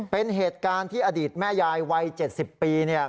เป็นเหตุการณ์ที่อดีตแม่ยายวัย๗๐ปีเนี่ย